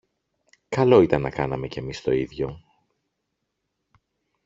Καλό ήταν να κάναμε και ‘μεις το ίδιο.